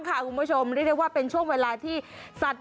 คุณผู้ชมเรียกได้ว่าเป็นช่วงเวลาที่สัตว์